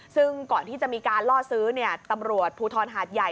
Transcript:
ซึ่งก่อนที่จะมีการล่อซื้อตำรวจภูทรหาดใหญ่